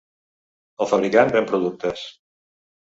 El fabricant ven productes.